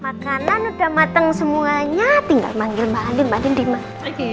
makanan udah mateng semuanya tinggal manggil mbak andin mbak andin dimana